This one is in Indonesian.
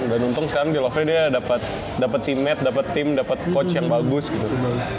dan untung sekarang di lufret dia dapet si matt dapet tim dapet coach yang bagus gitu